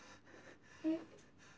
えっ？